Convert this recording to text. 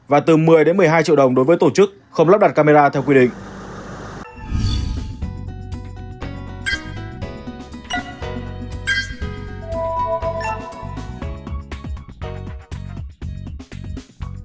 và từ một mươi một mươi hai triệu đồng đối với tổ chức không lắp đặt camera theo quy định